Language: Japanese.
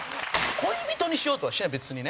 恋人にしようとはしてない別にね。